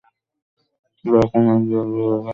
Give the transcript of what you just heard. যা, কোণায় গিয়ে ভেবে দেখ।